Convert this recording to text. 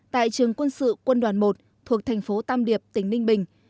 tại trường quân sự quân đoàn một thuộc thành phố tam điệp tỉnh ninh bình